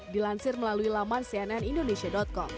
dilansir melalui laman cnn indonesia com